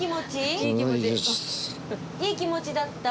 いい気持ちだった？